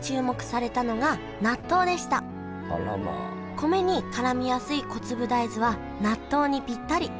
米にからみやすい小粒大豆は納豆にぴったり。